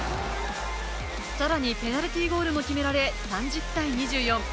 さらにペナルティーゴールも決められ、３０対２４。